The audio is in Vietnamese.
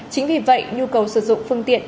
chính vì vậy nhu cầu sử dụng phương tiện